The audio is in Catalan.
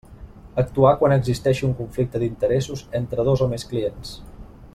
Actuar quan existeixi un conflicte d'interessos entre dos o més clients.